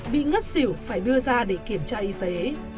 bị ngất xỉu phải đưa ra để kiểm tra y tế